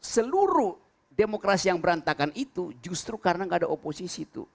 seluruh demokrasi yang berantakan itu justru karena gak ada oposisi tuh